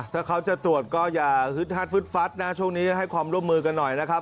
ถ้าเขาจะตรวจก็อย่าฮึดฮัดฟึดฟัดนะช่วงนี้ให้ความร่วมมือกันหน่อยนะครับ